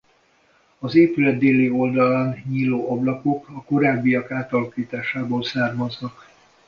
Az épület déli oldalán nyíló ablakok a korábbiak átalakításából származnak.